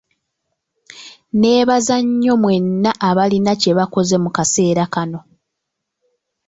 Nneebaza nnyo mwenna abalina kye bakoze mu kaseera kano.